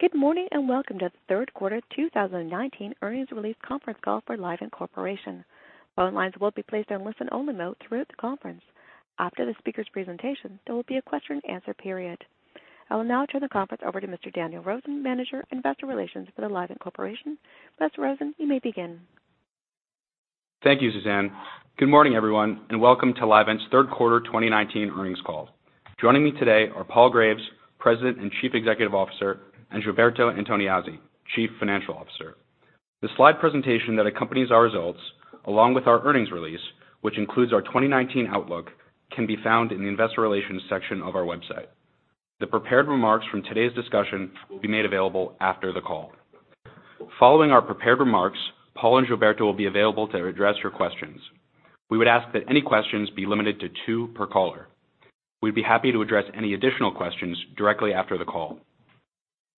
Good morning, and welcome to the third quarter 2019 earnings release conference call for Livent Corporation. Phone lines will be placed in listen-only mode throughout the conference. After the speaker's presentation, there will be a question and answer period. I will now turn the conference over to Mr. Daniel Rosen, Manager, Investor Relations for the Livent Corporation. Mr. Rosen, you may begin. Thank you, Suzanne. Good morning, everyone, and welcome to Livent's third quarter 2019 earnings call. Joining me today are Paul Graves, President and Chief Executive Officer, and Gilberto Antoniazzi, Chief Financial Officer. The slide presentation that accompanies our results, along with our earnings release, which includes our 2019 outlook, can be found in the investor relations section of our website. The prepared remarks from today's discussion will be made available after the call. Following our prepared remarks, Paul and Gilberto will be available to address your questions. We would ask that any questions be limited to two per caller. We'd be happy to address any additional questions directly after the call.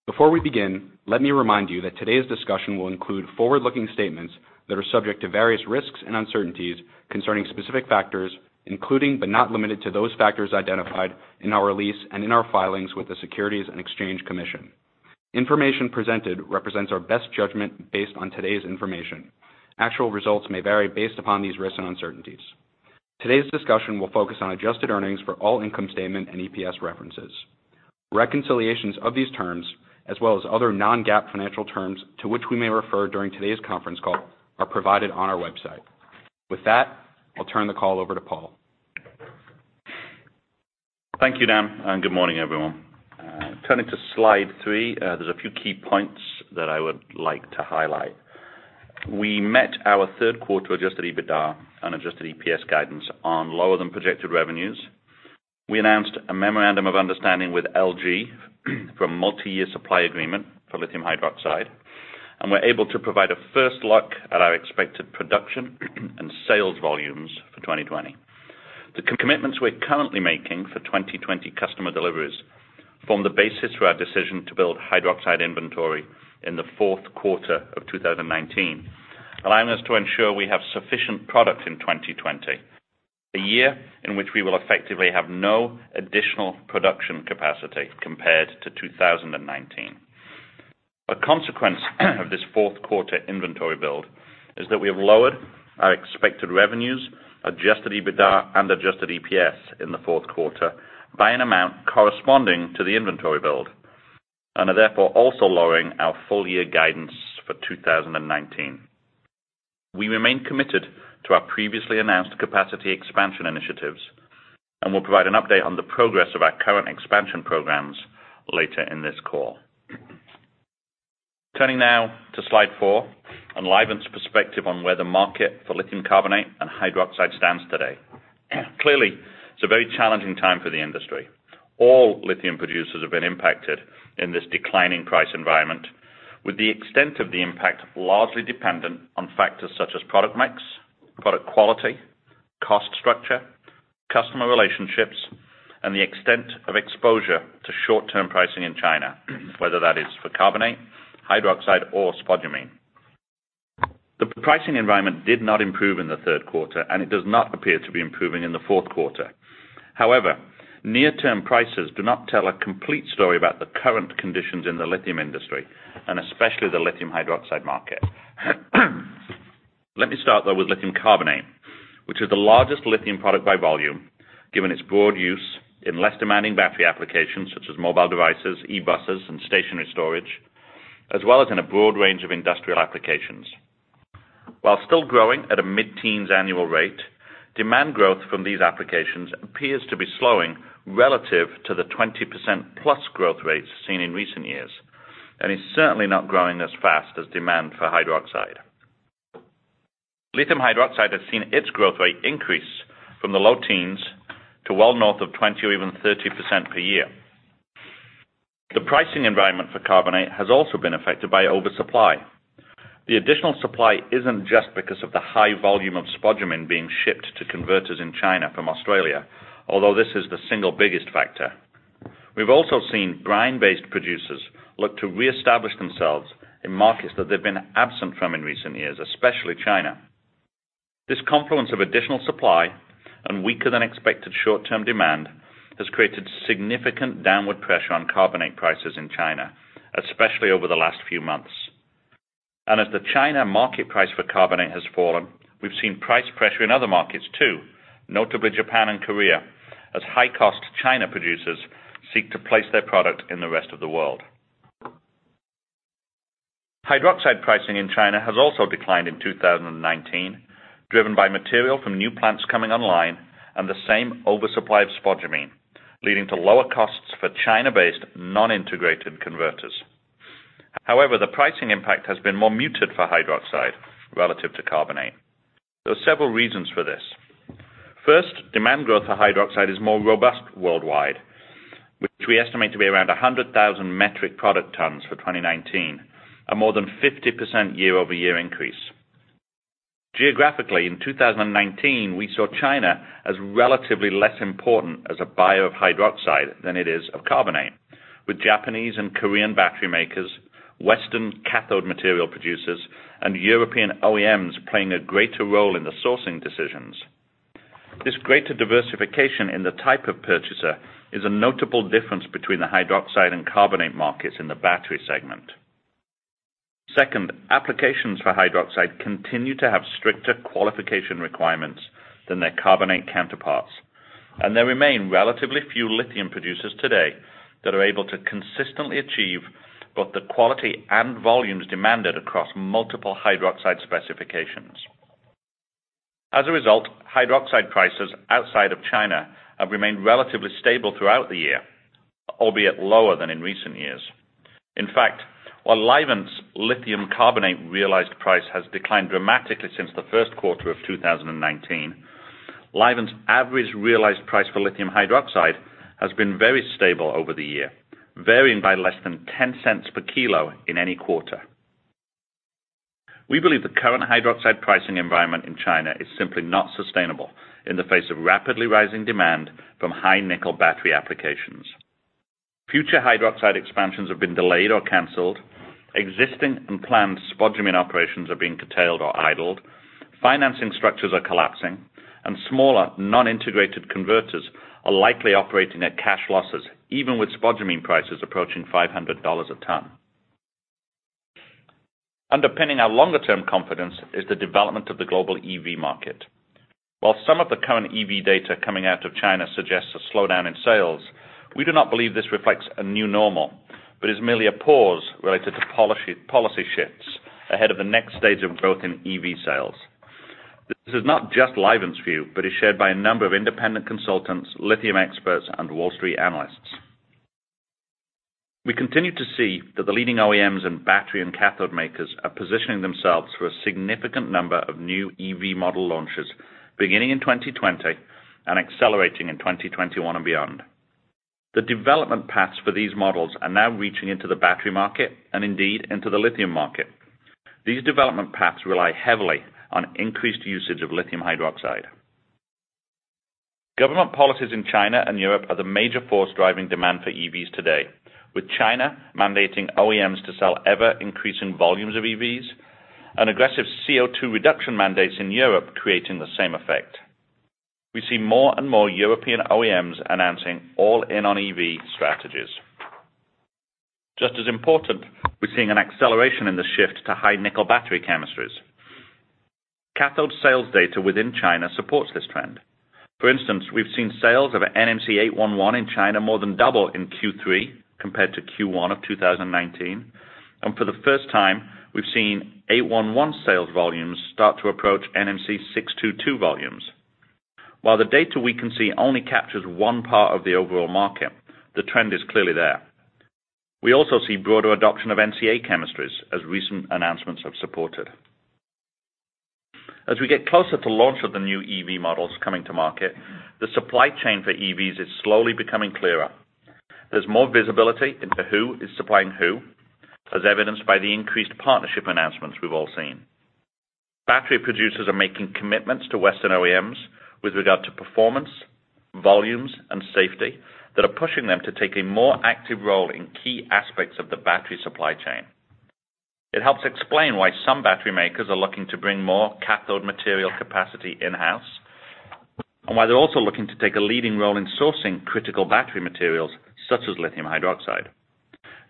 Before we begin, let me remind you that today's discussion will include forward-looking statements that are subject to various risks and uncertainties concerning specific factors, including but not limited to those factors identified in our release and in our filings with the Securities and Exchange Commission. Information presented represents our best judgment based on today's information. Actual results may vary based upon these risks and uncertainties. Today's discussion will focus on adjusted earnings for all income statement and EPS references. Reconciliations of these terms, as well as other non-GAAP financial terms to which we may refer during today's conference call, are provided on our website. With that, I'll turn the call over to Paul. Thank you, Dan. Good morning, everyone. Turning to slide three, there's a few key points that I would like to highlight. We met our third quarter adjusted EBITDA and adjusted EPS guidance on lower than projected revenues. We announced a memorandum of understanding with LG for a multi-year supply agreement for lithium hydroxide, and we're able to provide a first look at our expected production and sales volumes for 2020. The commitments we're currently making for 2020 customer deliveries form the basis for our decision to build hydroxide inventory in the fourth quarter of 2019, allowing us to ensure we have sufficient product in 2020, a year in which we will effectively have no additional production capacity compared to 2019. A consequence of this fourth quarter inventory build is that we have lowered our expected revenues, adjusted EBITDA, and adjusted EPS in the fourth quarter by an amount corresponding to the inventory build, and are therefore also lowering our full year guidance for 2019. We remain committed to our previously announced capacity expansion initiatives and will provide an update on the progress of our current expansion programs later in this call. Turning now to slide four on Livent's perspective on where the market for lithium carbonate and hydroxide stands today. Clearly, it's a very challenging time for the industry. All lithium producers have been impacted in this declining price environment, with the extent of the impact largely dependent on factors such as product mix, product quality, cost structure, customer relationships, and the extent of exposure to short-term pricing in China, whether that is for carbonate, hydroxide, or spodumene. The pricing environment did not improve in the third quarter, and it does not appear to be improving in the fourth quarter. Near-term prices do not tell a complete story about the current conditions in the lithium industry, and especially the lithium hydroxide market. Let me start, though, with lithium carbonate, which is the largest lithium product by volume, given its broad use in less demanding battery applications such as mobile devices, e-buses, and stationary storage, as well as in a broad range of industrial applications. While still growing at a mid-teens annual rate, demand growth from these applications appears to be slowing relative to the 20%+ growth rates seen in recent years and is certainly not growing as fast as demand for hydroxide. Lithium hydroxide has seen its growth rate increase from the low teens to well north of 20 or even 30% per year. The pricing environment for carbonate has also been affected by oversupply. The additional supply isn't just because of the high volume of spodumene being shipped to converters in China from Australia, although this is the single biggest factor. We've also seen brine-based producers look to reestablish themselves in markets that they've been absent from in recent years, especially China. This confluence of additional supply and weaker than expected short-term demand has created significant downward pressure on carbonate prices in China, especially over the last few months. As the China market price for carbonate has fallen, we've seen price pressure in other markets too, notably Japan and Korea, as high-cost China producers seek to place their product in the rest of the world. Hydroxide pricing in China has also declined in 2019, driven by material from new plants coming online and the same oversupply of spodumene, leading to lower costs for China-based non-integrated converters. However, the pricing impact has been more muted for hydroxide relative to carbonate. There are several reasons for this. First, demand growth for hydroxide is more robust worldwide, which we estimate to be around 100,000 metric product tons for 2019, a more than 50% year-over-year increase. Geographically, in 2019, we saw China as relatively less important as a buyer of hydroxide than it is of carbonate, with Japanese and Korean battery makers, Western cathode material producers, and European OEMs playing a greater role in the sourcing decisions. This greater diversification in the type of purchaser is a notable difference between the hydroxide and carbonate markets in the battery segment. Second, applications for hydroxide continue to have stricter qualification requirements than their carbonate counterparts, and there remain relatively few lithium producers today that are able to consistently achieve both the quality and volumes demanded across multiple hydroxide specifications. As a result, hydroxide prices outside of China have remained relatively stable throughout the year, albeit lower than in recent years. In fact, while Livent's lithium carbonate realized price has declined dramatically since the first quarter of 2019, Livent's average realized price for lithium hydroxide has been very stable over the year, varying by less than $0.10 per kilo in any quarter. We believe the current hydroxide pricing environment in China is simply not sustainable in the face of rapidly rising demand from high nickel battery applications. Future hydroxide expansions have been delayed or canceled, existing and planned spodumene operations are being curtailed or idled, financing structures are collapsing, and smaller, non-integrated converters are likely operating at cash losses, even with spodumene prices approaching $500 a ton. Underpinning our longer-term confidence is the development of the global EV market. While some of the current EV data coming out of China suggests a slowdown in sales, we do not believe this reflects a new normal, but is merely a pause related to policy shifts ahead of the next stage of growth in EV sales. This is not just Livent's view, but is shared by a number of independent consultants, lithium experts, and Wall Street analysts. We continue to see that the leading OEMs and battery and cathode makers are positioning themselves for a significant number of new EV model launches beginning in 2020 and accelerating in 2021 and beyond. The development paths for these models are now reaching into the battery market, and indeed, into the lithium market. These development paths rely heavily on increased usage of lithium hydroxide. Government policies in China and Europe are the major force driving demand for EVs today, with China mandating OEMs to sell ever increasing volumes of EVs and aggressive CO2 reduction mandates in Europe creating the same effect. We see more and more European OEMs announcing all-in on EV strategies. Just as important, we're seeing an acceleration in the shift to high nickel battery chemistries. Cathode sales data within China supports this trend. For instance, we've seen sales of an NMC811 in China more than double in Q3 compared to Q1 of 2019. For the first time, we've seen 811 sales volumes start to approach NMC622 volumes. While the data we can see only captures one part of the overall market, the trend is clearly there. We also see broader adoption of NCA chemistries as recent announcements have supported. As we get closer to launch of the new EV models coming to market, the supply chain for EVs is slowly becoming clearer. There's more visibility into who is supplying who, as evidenced by the increased partnership announcements we've all seen. Battery producers are making commitments to Western OEMs with regard to performance, volumes, and safety that are pushing them to take a more active role in key aspects of the battery supply chain. It helps explain why some battery makers are looking to bring more cathode material capacity in-house, and why they're also looking to take a leading role in sourcing critical battery materials such as lithium hydroxide.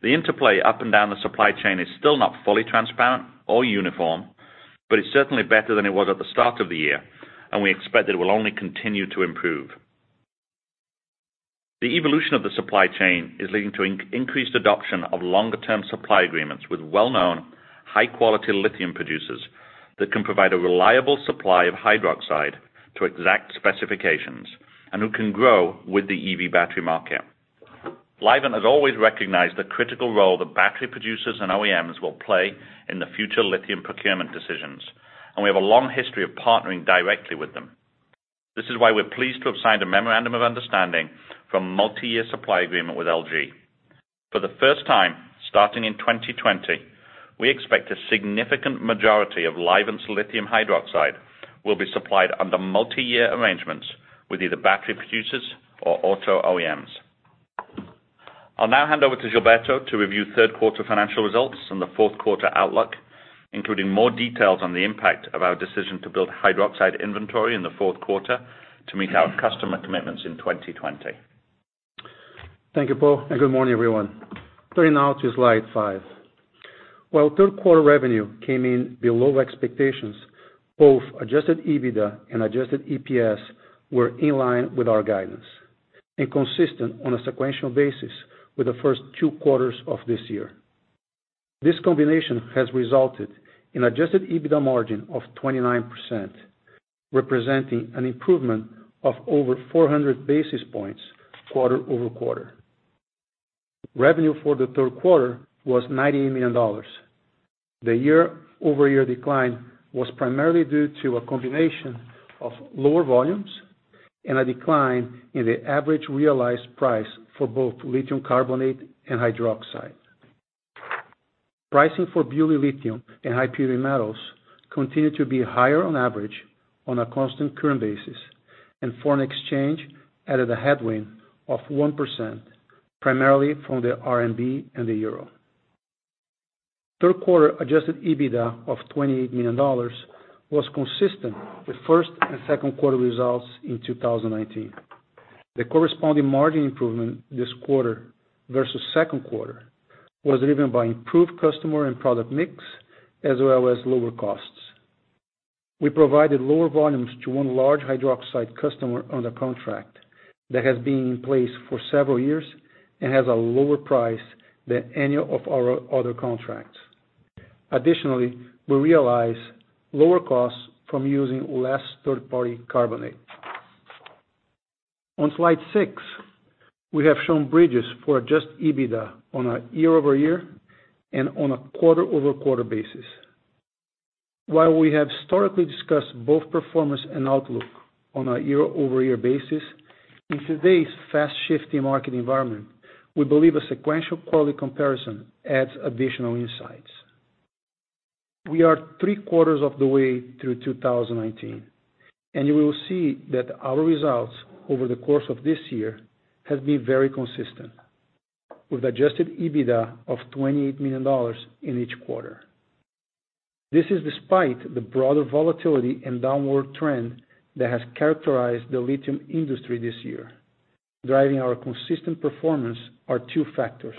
The interplay up and down the supply chain is still not fully transparent or uniform, but it's certainly better than it was at the start of the year, and we expect that it will only continue to improve. The evolution of the supply chain is leading to increased adoption of longer term supply agreements with well-known, high-quality lithium producers that can provide a reliable supply of hydroxide to exact specifications and who can grow with the EV battery market. Livent has always recognized the critical role that battery producers and OEMs will play in the future lithium procurement decisions, and we have a long history of partnering directly with them. This is why we're pleased to have signed a memorandum of understanding for a multi-year supply agreement with LG. For the first time, starting in 2020, we expect a significant majority of Livent's lithium hydroxide will be supplied under multi-year arrangements with either battery producers or auto OEMs. I'll now hand over to Gilberto to review third quarter financial results and the fourth quarter outlook, including more details on the impact of our decision to build hydroxide inventory in the fourth quarter to meet our customer commitments in 2020. Thank you, Paul, good morning, everyone. Turning now to slide five. While third quarter revenue came in below expectations, both adjusted EBITDA and adjusted EPS were in line with our guidance and consistent on a sequential basis with the first two quarters of this year. This combination has resulted in adjusted EBITDA margin of 29%, representing an improvement of over 400 basis points quarter-over-quarter. Revenue for the third quarter was $98 million. The year-over-year decline was primarily due to a combination of lower volumes and a decline in the average realized price for both lithium carbonate and hydroxide. Pricing for butyllithium and high purity metals continued to be higher on average on a constant currency basis, and foreign exchange added a headwind of 1%, primarily from the RMB and the EUR. Third quarter adjusted EBITDA of $28 million was consistent with first and second quarter results in 2019. The corresponding margin improvement this quarter versus second quarter was driven by improved customer and product mix, as well as lower costs. We provided lower volumes to one large hydroxide customer under contract that has been in place for several years and has a lower price than any of our other contracts. Additionally, we realized lower costs from using less third-party carbonate. On slide six, we have shown bridges for adjusted EBITDA on a year-over-year and on a quarter-over-quarter basis. While we have historically discussed both performance and outlook on a year-over-year basis, in today's fast-shifting market environment, we believe a sequential quarterly comparison adds additional insights. We are three quarters of the way through 2019. You will see that our results over the course of this year have been very consistent with adjusted EBITDA of $28 million in each quarter. This is despite the broader volatility and downward trend that has characterized the lithium industry this year. Driving our consistent performance are two factors.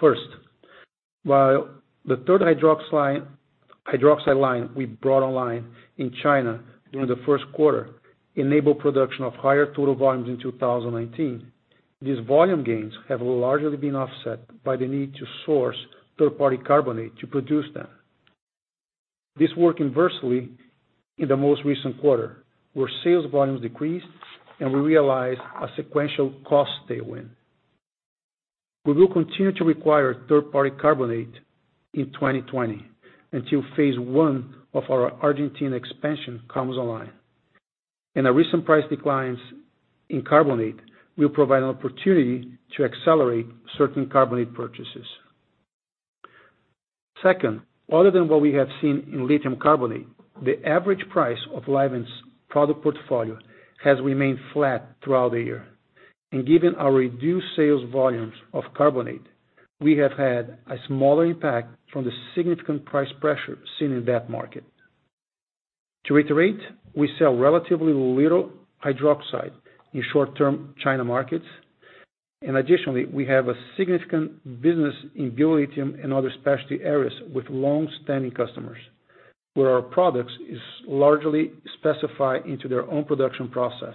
First, while the third hydroxide line we brought online in China during the first quarter enabled production of higher total volumes in 2019, these volume gains have largely been offset by the need to source third-party carbonate to produce them. This worked inversely in the most recent quarter, where sales volumes decreased. We realized a sequential cost tailwind. We will continue to require third-party carbonate in 2020 until phase 1 of our Argentine expansion comes online. The recent price declines in carbonate will provide an opportunity to accelerate certain carbonate purchases. Second, other than what we have seen in lithium carbonate, the average price of Livent's product portfolio has remained flat throughout the year. Given our reduced sales volumes of carbonate, we have had a smaller impact from the significant price pressure seen in that market. To reiterate, we sell relatively little hydroxide in short-term China markets. Additionally, we have a significant business in lithium and other specialty areas with long-standing customers, where our product is largely specified into their own production process.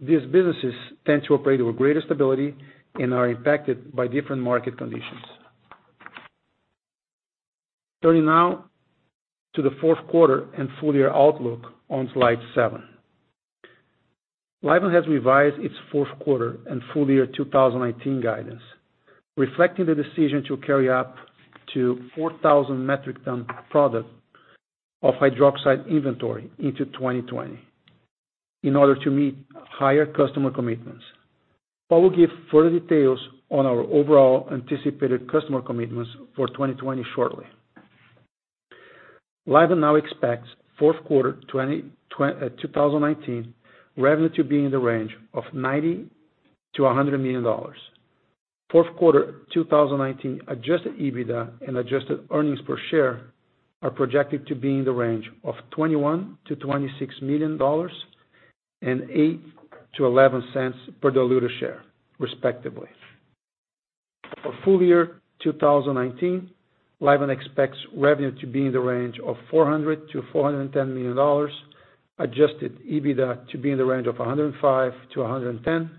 These businesses tend to operate with greater stability and are impacted by different market conditions. Turning now to the fourth quarter and full-year outlook on slide seven. Livent has revised its full-year 2019 guidance, reflecting the decision to carry up to 4,000 metric ton product of hydroxide inventory into 2020 in order to meet higher customer commitments. I will give further details on our overall anticipated customer commitments for 2020 shortly. Livent now expects fourth quarter 2019 revenue to be in the range of $90 million-$100 million. Fourth quarter 2019 adjusted EBITDA and adjusted earnings per share are projected to be in the range of $21 million-$26 million and $0.08-$0.11 per diluted share, respectively. For full-year 2019, Livent expects revenue to be in the range of $400 million-$410 million, adjusted EBITDA to be in the range of $105 million-$110 million,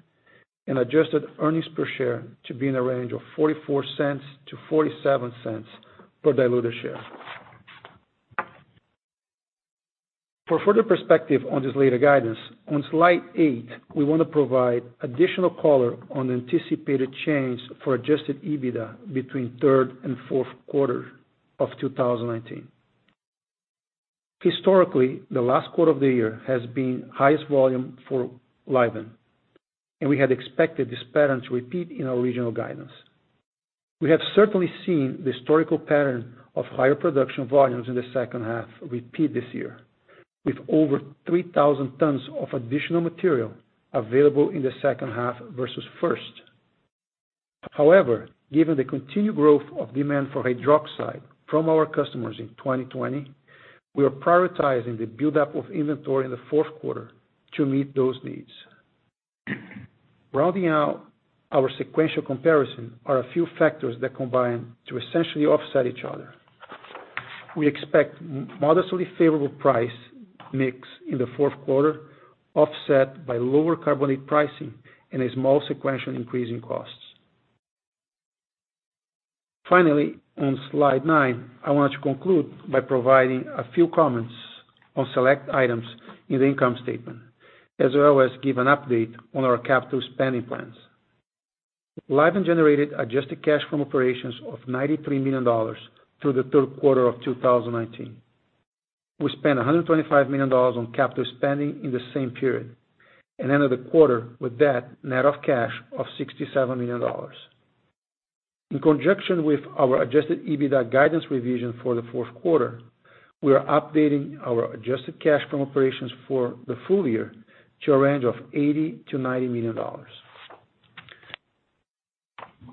and adjusted earnings per share to be in the range of $0.44-$0.47 per diluted share. For further perspective on this later guidance, on slide eight, we want to provide additional color on the anticipated change for adjusted EBITDA between third and fourth quarter of 2019. Historically, the last quarter of the year has been highest volume for Livent, and we had expected this pattern to repeat in our original guidance. We have certainly seen the historical pattern of higher production volumes in the second half repeat this year, with over 3,000 tons of additional material available in the second half versus first. Given the continued growth of demand for hydroxide from our customers in 2020, we are prioritizing the buildup of inventory in the fourth quarter to meet those needs. Rounding out our sequential comparison are a few factors that combine to essentially offset each other. We expect modestly favorable price mix in the fourth quarter, offset by lower carbonate pricing and a small sequential increase in costs. Finally, on slide nine, I want to conclude by providing a few comments on select items in the income statement, as well as give an update on our capital spending plans. Livent generated adjusted cash from operations of $93 million through the third quarter of 2019. We spent $125 million on capital spending in the same period and ended the quarter with net of cash of $67 million. In conjunction with our adjusted EBITDA guidance revision for the fourth quarter. We are updating our adjusted cash from operations for the full year to a range of $80 million-$90 million.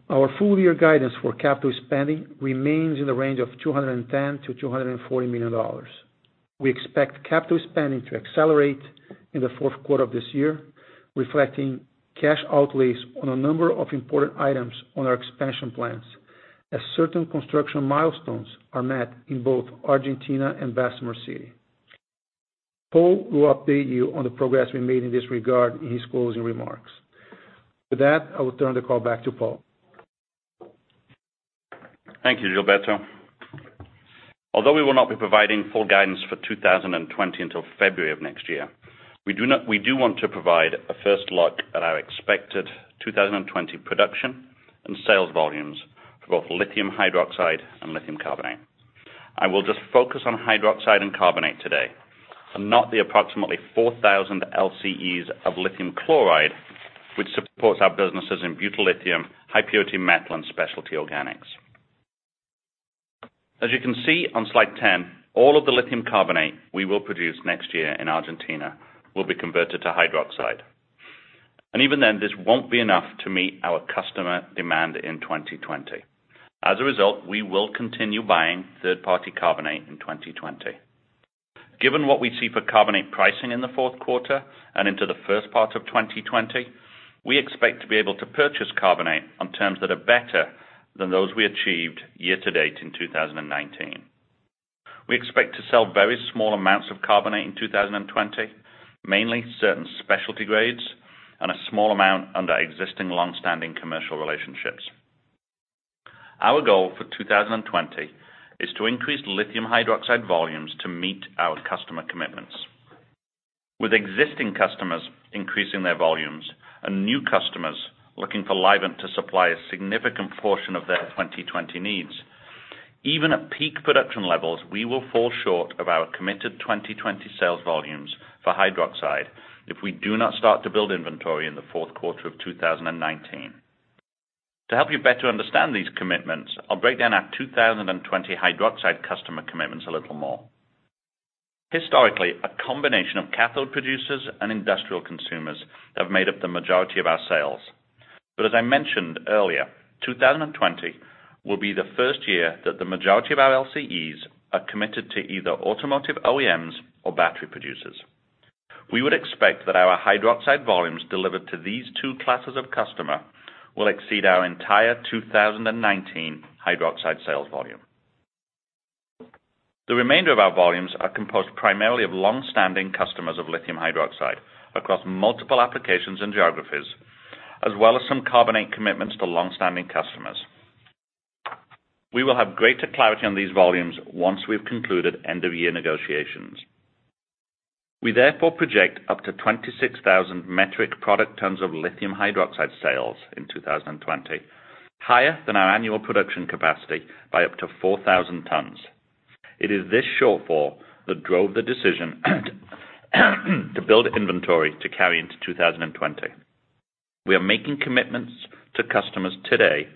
Our full year guidance for capital spending remains in the range of $210 million-$240 million. We expect capital spending to accelerate in the fourth quarter of this year, reflecting cash outlays on a number of important items on our expansion plans as certain construction milestones are met in both Argentina and Bessemer City. Paul will update you on the progress we made in this regard in his closing remarks. With that, I will turn the call back to Paul. Thank you, Gilberto. Although we will not be providing full guidance for 2020 until February of next year, we do want to provide a first look at our expected 2020 production and sales volumes for both lithium hydroxide and lithium carbonate. I will just focus on hydroxide and carbonate today and not the approximately 4,000 LCEs of lithium chloride, which supports our businesses in butyllithium, high purity metal, and specialty organics. As you can see on slide 10, all of the lithium carbonate we will produce next year in Argentina will be converted to hydroxide. Even then, this won't be enough to meet our customer demand in 2020. As a result, we will continue buying third-party carbonate in 2020. Given what we see for carbonate pricing in the fourth quarter and into the first part of 2020, we expect to be able to purchase carbonate on terms that are better than those we achieved year to date in 2019. We expect to sell very small amounts of carbonate in 2020, mainly certain specialty grades and a small amount under existing longstanding commercial relationships. Our goal for 2020 is to increase lithium hydroxide volumes to meet our customer commitments. With existing customers increasing their volumes and new customers looking for Livent to supply a significant portion of their 2020 needs, even at peak production levels, we will fall short of our committed 2020 sales volumes for hydroxide if we do not start to build inventory in the fourth quarter of 2019. To help you better understand these commitments, I'll break down our 2020 hydroxide customer commitments a little more. Historically, a combination of cathode producers and industrial consumers have made up the majority of our sales. As I mentioned earlier, 2020 will be the first year that the majority of our LCEs are committed to either automotive OEMs or battery producers. We would expect that our hydroxide volumes delivered to these two classes of customer will exceed our entire 2019 hydroxide sales volume. The remainder of our volumes are composed primarily of longstanding customers of lithium hydroxide across multiple applications and geographies, as well as some carbonate commitments to longstanding customers. We will have greater clarity on these volumes once we've concluded end-of-year negotiations. We therefore project up to 26,000 metric product tons of lithium hydroxide sales in 2020, higher than our annual production capacity by up to 4,000 tons. It is this shortfall that drove the decision to build inventory to carry into 2020. We are making commitments to customers today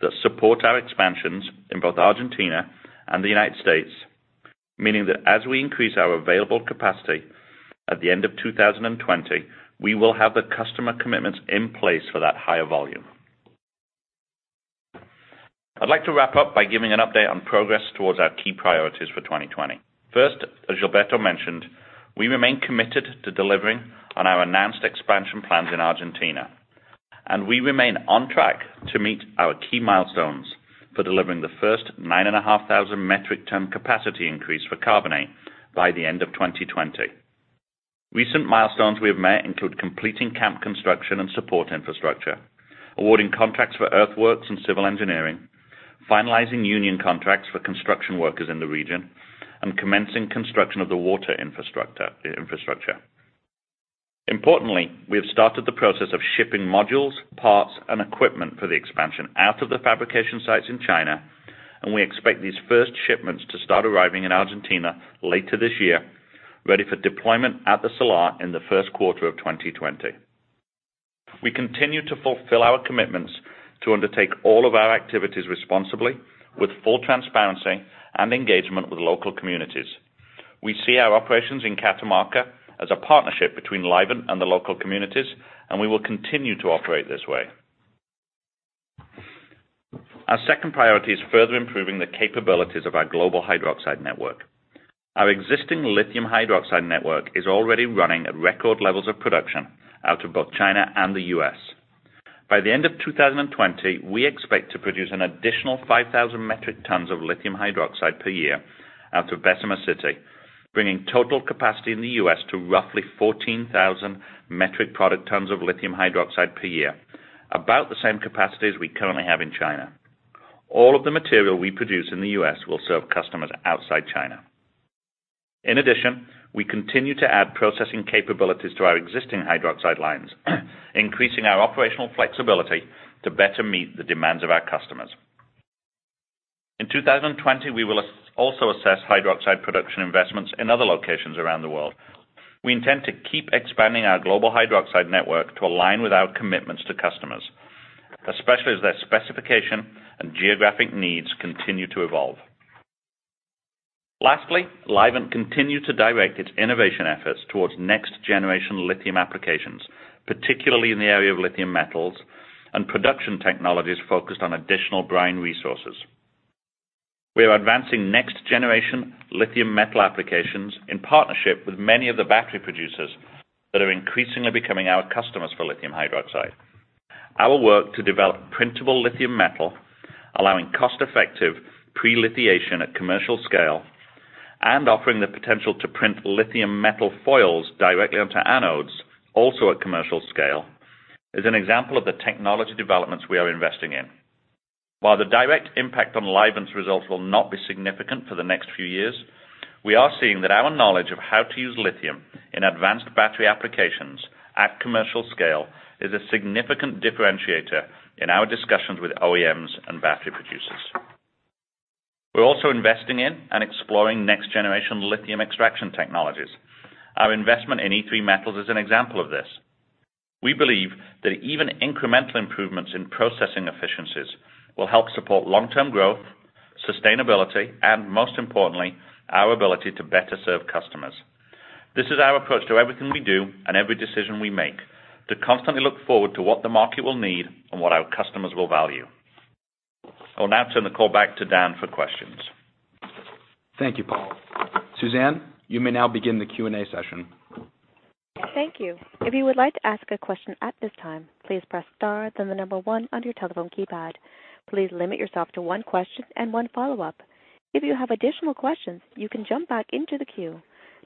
that support our expansions in both Argentina and the United States, meaning that as we increase our available capacity at the end of 2020, we will have the customer commitments in place for that higher volume. I'd like to wrap up by giving an update on progress towards our key priorities for 2020. First, as Gilberto mentioned, we remain committed to delivering on our announced expansion plans in Argentina, and we remain on track to meet our key milestones for delivering the first 9,500 metric ton capacity increase for carbonate by the end of 2020. Recent milestones we have met include completing camp construction and support infrastructure, awarding contracts for earthworks and civil engineering, finalizing union contracts for construction workers in the region, and commencing construction of the water infrastructure. We have started the process of shipping modules, parts, and equipment for the expansion out of the fabrication sites in China, and we expect these first shipments to start arriving in Argentina later this year, ready for deployment at the Salar in the first quarter of 2020. We continue to fulfill our commitments to undertake all of our activities responsibly with full transparency and engagement with local communities. We see our operations in Catamarca as a partnership between Livent and the local communities, and we will continue to operate this way. Our second priority is further improving the capabilities of our global hydroxide network. Our existing lithium hydroxide network is already running at record levels of production out of both China and the U.S. By the end of 2020, we expect to produce an additional 5,000 metric tons of lithium hydroxide per year out of Bessemer City, bringing total capacity in the U.S. to roughly 14,000 metric product tons of lithium hydroxide per year, about the same capacity as we currently have in China. All of the material we produce in the U.S. will serve customers outside China. We continue to add processing capabilities to our existing hydroxide lines, increasing our operational flexibility to better meet the demands of our customers. In 2020, we will also assess hydroxide production investments in other locations around the world. We intend to keep expanding our global hydroxide network to align with our commitments to customers. Especially as their specification and geographic needs continue to evolve. Lastly, Livent continued to direct its innovation efforts towards next generation lithium applications, particularly in the area of lithium metals and production technologies focused on additional brine resources. We are advancing next generation lithium metal applications in partnership with many of the battery producers that are increasingly becoming our customers for lithium hydroxide. Our work to develop printable lithium metal, allowing cost-effective pre-lithiation at commercial scale, and offering the potential to print lithium metal foils directly onto anodes, also at commercial scale, is an example of the technology developments we are investing in. While the direct impact on Livent's results will not be significant for the next few years, we are seeing that our knowledge of how to use lithium in advanced battery applications at commercial scale is a significant differentiator in our discussions with OEMs and battery producers. We're also investing in and exploring next generation lithium extraction technologies. Our investment in E3 Metals is an example of this. We believe that even incremental improvements in processing efficiencies will help support long-term growth, sustainability, and most importantly, our ability to better serve customers. This is our approach to everything we do and every decision we make, to constantly look forward to what the market will need and what our customers will value. I'll now turn the call back to Dan for questions. Thank you, Paul. Suzanne, you may now begin the Q&A session. Thank you. If you would like to ask a question at this time, please press star, then the number 1 on your telephone keypad. Please limit yourself to one question and one follow-up. If you have additional questions, you can jump back into the queue.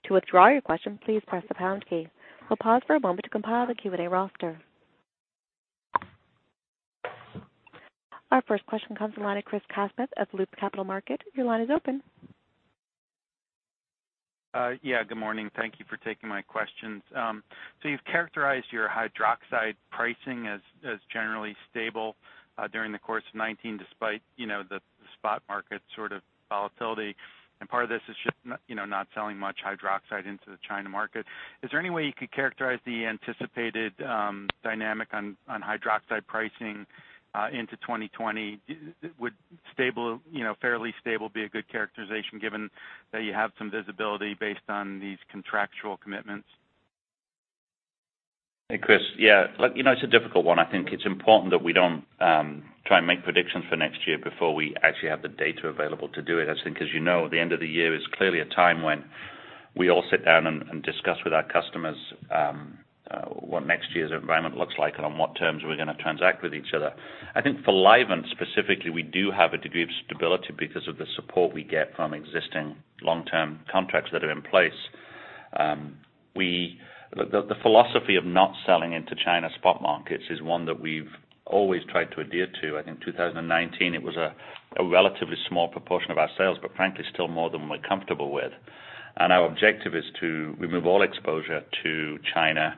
To withdraw your question, please press the pound key. We'll pause for a moment to compile the Q&A roster. Our first question comes from the line of Chris Kapsch at Loop Capital Markets. Your line is open. Yeah, good morning. Thank you for taking my questions. You've characterized your hydroxide pricing as generally stable during the course of 2019, despite the spot market sort of volatility. Part of this is just not selling much hydroxide into the China market. Is there any way you could characterize the anticipated dynamic on hydroxide pricing into 2020? Would fairly stable be a good characterization given that you have some visibility based on these contractual commitments? Hey, Chris. Yeah. It's a difficult one. I think it's important that we don't try and make predictions for next year before we actually have the data available to do it. I think as you know, the end of the year is clearly a time when we all sit down and discuss with our customers what next year's environment looks like and on what terms we're going to transact with each other. I think for Livent specifically, we do have a degree of stability because of the support we get from existing long-term contracts that are in place. The philosophy of not selling into China spot markets is one that we've always tried to adhere to. I think 2019, it was a relatively small proportion of our sales, but frankly, still more than we're comfortable with. Our objective is to remove all exposure to China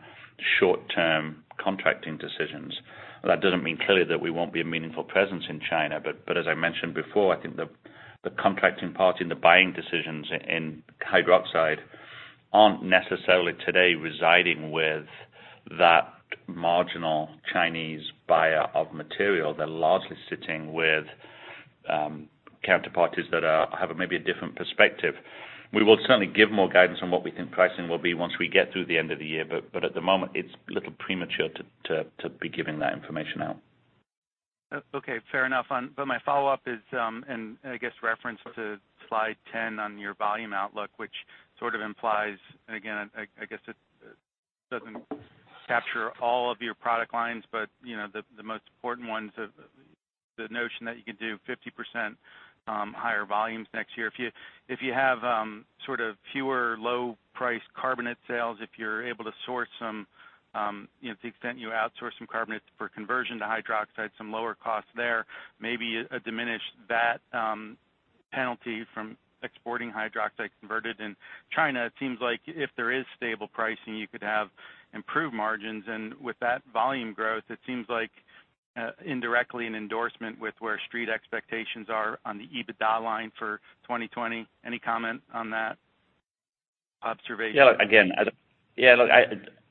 short-term contracting decisions. That doesn't mean clearly that we won't be a meaningful presence in China. As I mentioned before, I think the contracting party and the buying decisions in hydroxide aren't necessarily today residing with that marginal Chinese buyer of material. They're largely sitting with counterparties that have maybe a different perspective. We will certainly give more guidance on what we think pricing will be once we get through the end of the year, but at the moment, it's a little premature to be giving that information out. Okay, fair enough. My follow-up is, and I guess reference to slide 10 on your volume outlook, which sort of implies, and again, I guess it doesn't capture all of your product lines, but the most important ones, the notion that you can do 50% higher volumes next year. If you have sort of fewer low-priced carbonate sales, if you're able to source some, to the extent you outsource some carbonates for conversion to hydroxide, some lower costs there, maybe diminish that penalty from exporting hydroxide converted in China. It seems like if there is stable pricing, you could have improved margins. With that volume growth, it seems like indirectly an endorsement with where street expectations are on the EBITDA line for 2020. Any comment on that observation? Yeah, look,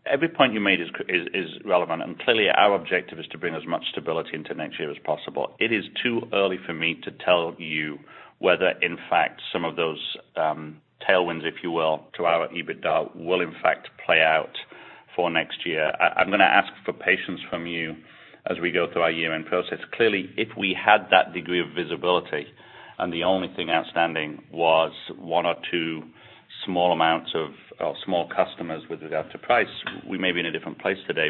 every point you made is relevant. Clearly, our objective is to bring as much stability into next year as possible. It is too early for me to tell you whether in fact some of those tailwinds, if you will, to our EBITDA will in fact play out for next year. I'm going to ask for patience from you as we go through our year-end process. Clearly, if we had that degree of visibility and the only thing outstanding was one or two small amounts of small customers with regard to price, we may be in a different place today.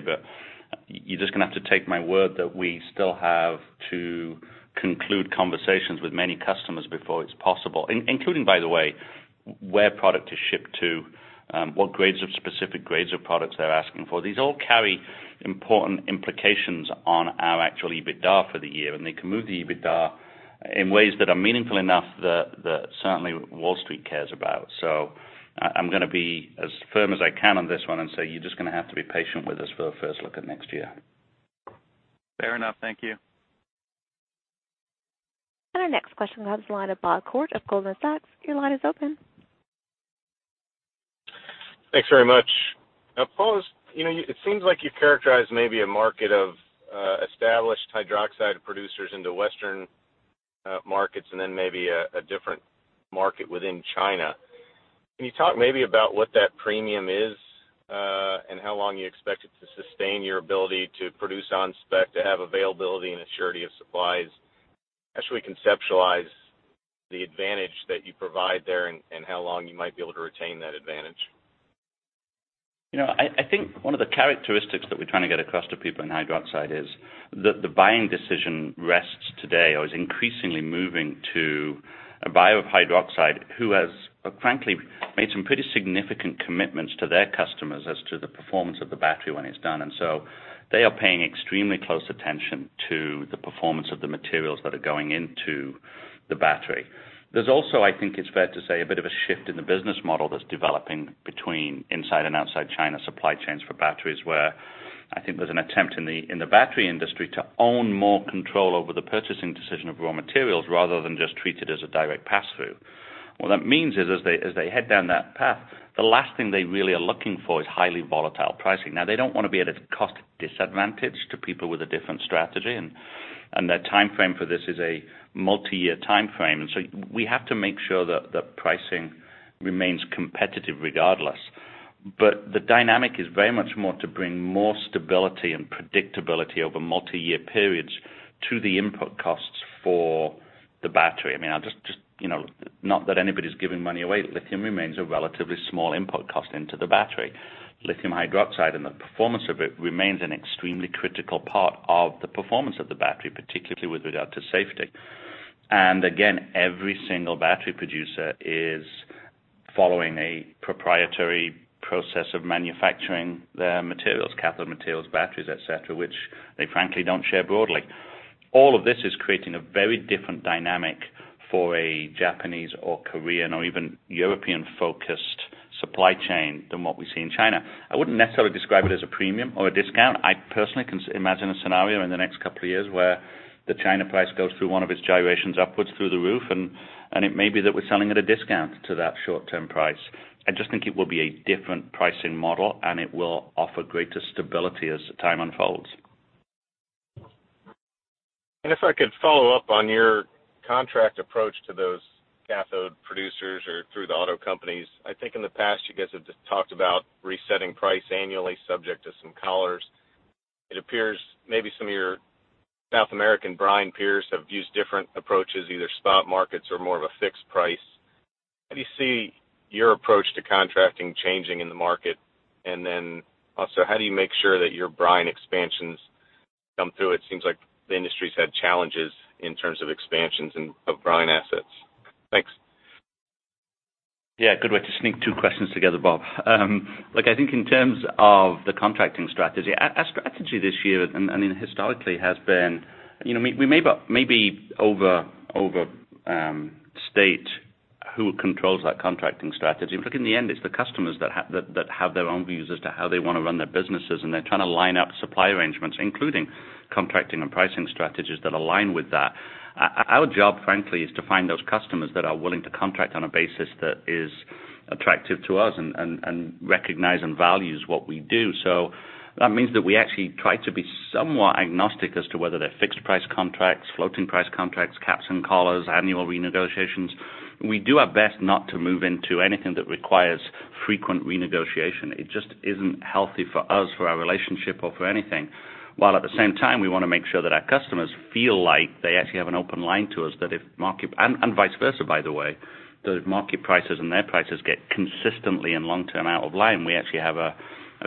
You're just going to have to take my word that we still have to conclude conversations with many customers before it's possible, including, by the way, where product is shipped to, what specific grades of products they're asking for. These all carry important implications on our actual EBITDA for the year. They can move the EBITDA in ways that are meaningful enough that certainly Wall Street cares about. I'm going to be as firm as I can on this one and say you're just going to have to be patient with us for a first look at next year. Fair enough. Thank you. Our next question goes to the line of Bob Koort of Goldman Sachs. Your line is open. Thanks very much. Paul, it seems like you characterize maybe a market of established hydroxide producers into Western markets and then maybe a different market within China. Can you talk maybe about what that premium is, and how long you expect it to sustain your ability to produce on spec, to have availability and assuredly of supplies? How should we conceptualize the advantage that you provide there and how long you might be able to retain that advantage? I think one of the characteristics that we're trying to get across to people in hydroxide is the buying decision rests today or is increasingly moving to a buyer of hydroxide who has, frankly, made some pretty significant commitments to their customers as to the performance of the battery when it's done. They are paying extremely close attention to the performance of the materials that are going into the battery. There's also, I think it's fair to say, a bit of a shift in the business model that's developing between inside and outside China supply chains for batteries, where I think there's an attempt in the battery industry to own more control over the purchasing decision of raw materials, rather than just treat it as a direct pass-through. What that means is, as they head down that path, the last thing they really are looking for is highly volatile pricing. They don't want to be at a cost disadvantage to people with a different strategy, and their timeframe for this is a multi-year timeframe. We have to make sure that the pricing remains competitive regardless. The dynamic is very much more to bring more stability and predictability over multi-year periods to the input costs for the battery. Not that anybody's giving money away, lithium remains a relatively small input cost into the battery. Lithium hydroxide and the performance of it remains an extremely critical part of the performance of the battery, particularly with regard to safety. Again, every single battery producer is following a proprietary process of manufacturing their materials, cathode materials, batteries, et cetera, which they frankly don't share broadly. All of this is creating a very different dynamic for a Japanese or Korean or even European-focused supply chain than what we see in China. I wouldn't necessarily describe it as a premium or a discount. I personally can imagine a scenario in the next couple of years where the China price goes through one of its gyrations upwards through the roof, and it may be that we're selling at a discount to that short-term price. I just think it will be a different pricing model, and it will offer greater stability as time unfolds. If I could follow up on your contract approach to those cathode producers or through the auto companies. I think in the past, you guys have just talked about resetting price annually, subject to some collars. It appears maybe some of your South American brine peers have used different approaches, either spot markets or more of a fixed price. How do you see your approach to contracting changing in the market? Also, how do you make sure that your brine expansions come through? It seems like the industry's had challenges in terms of expansions and of brine assets. Thanks. Yeah, good way to sneak two questions together, Bob. Look, I think in terms of the contracting strategy, our strategy this year and historically has been, we maybe overstate who controls that contracting strategy. Look, in the end, it's the customers that have their own views as to how they want to run their businesses, and they're trying to line up supply arrangements, including contracting and pricing strategies that align with that. Our job, frankly, is to find those customers that are willing to contract on a basis that is attractive to us and recognize and values what we do. That means that we actually try to be somewhat agnostic as to whether they're fixed-price contracts, floating-price contracts, caps and collars, annual renegotiations. We do our best not to move into anything that requires frequent renegotiation. It just isn't healthy for us, for our relationship or for anything. While at the same time, we want to make sure that our customers feel like they actually have an open line to us, and vice versa, by the way, that if market prices and their prices get consistently and long-term out of line, we actually have a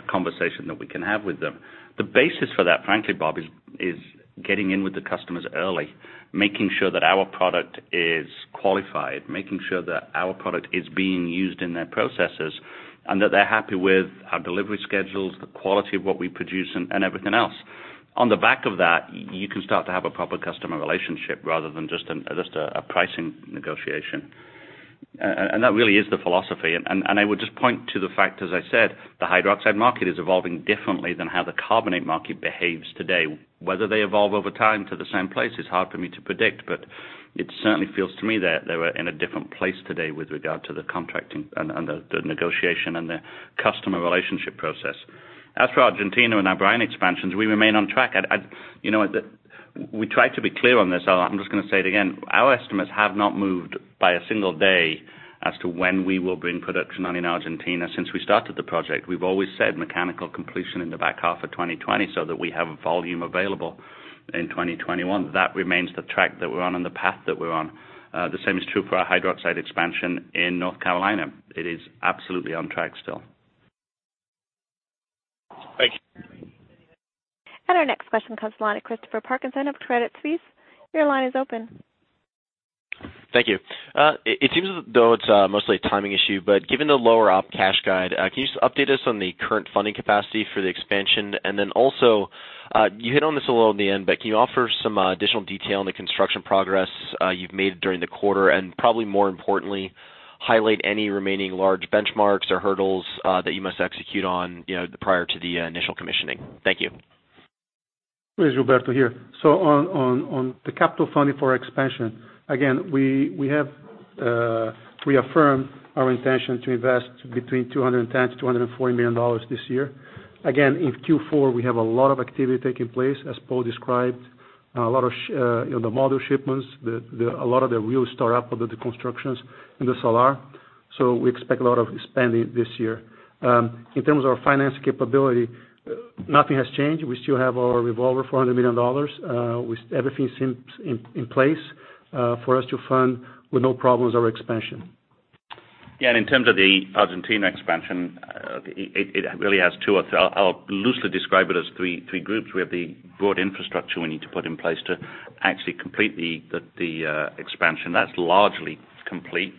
conversation that we can have with them. The basis for that, frankly, Bob, is getting in with the customers early, making sure that our product is qualified, making sure that our product is being used in their processes, and that they're happy with our delivery schedules, the quality of what we produce and everything else. On the back of that, you can start to have a proper customer relationship rather than just a pricing negotiation. That really is the philosophy. I would just point to the fact, as I said, the hydroxide market is evolving differently than how the carbonate market behaves today. Whether they evolve over time to the same place is hard for me to predict, but it certainly feels to me that they were in a different place today with regard to the contracting and the negotiation and the customer relationship process. As for Argentina and our brine expansions, we remain on track. We try to be clear on this. I'm just going to say it again. Our estimates have not moved by a single day as to when we will bring production on in Argentina since we started the project. We've always said mechanical completion in the back half of 2020 so that we have volume available in 2021. That remains the track that we're on and the path that we're on. The same is true for our hydroxide expansion in North Carolina. It is absolutely on track still. Thank you. Our next question comes the line of Christopher Parkinson of Credit Suisse. Your line is open. Thank you. It seems as though it's mostly a timing issue, but given the lower op cash guide, can you just update us on the current funding capacity for the expansion? Also, you hit on this a little in the end, but can you offer some additional detail on the construction progress you've made during the quarter and probably more importantly, highlight any remaining large benchmarks or hurdles that you must execute on prior to the initial commissioning? Thank you. It's Gilberto here. On the capital funding for expansion, again, we affirm our intention to invest between $210 million-$240 million this year. In Q4, we have a lot of activity taking place, as Paul described, a lot of the module shipments, a lot of the real start-up of the deconstructions in the Salar. We expect a lot of spending this year. In terms of our finance capability, nothing has changed. We still have our revolver, $400 million. Everything seems in place for us to fund with no problems our expansion. Yeah, in terms of the Argentina expansion, it really has two or I'll loosely describe it as three groups. We have the broad infrastructure we need to put in place to actually complete the expansion. That's largely complete.